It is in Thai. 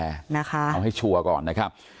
เอาให้ชัวร์ก่อนนะครับ